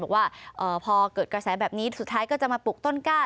บอกว่าพอเกิดกระแสแบบนี้สุดท้ายก็จะมาปลูกต้นกล้า